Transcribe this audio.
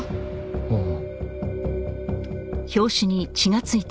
ああ。